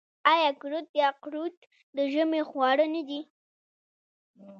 آیا کورت یا قروت د ژمي خواړه نه دي؟